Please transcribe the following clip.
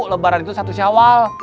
lebaran itu satu sawal